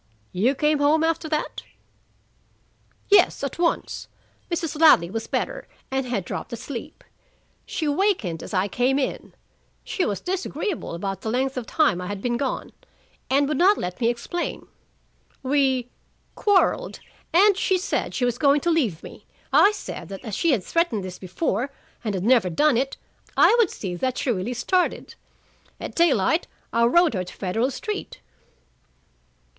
"You came home after that?" "Yes, at once. Mrs. Ladley was better and had dropped asleep. She wakened as I came in. She was disagreeable about the length of time I had been gone, and would not let me explain. We quarreled, and she said she was going to leave me. I said that as she had threatened this before and had never done it, I would see that she really started. At daylight I rowed her to Federal Street."